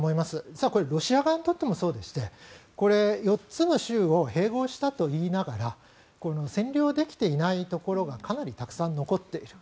実はこれロシア側にとってもそうでしてこれ、４つの州を併合したといいながら占領できていないところがかなりたくさん残っている。